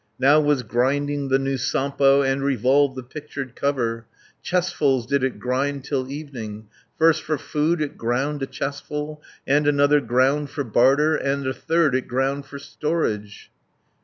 Now was grinding the new Sampo, And revolved the pictured cover, Chestfuls did it grind till evening, First for food it ground a chestful, 420 And another ground for barter, And a third it ground for storage.